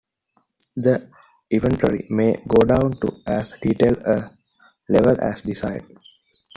The inventory may go down to as detailed a level as desired.